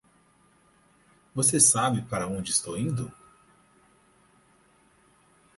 Você sabe para onde estou indo?